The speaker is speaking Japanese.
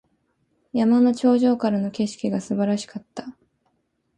山の頂上からの景色が素晴らしかった。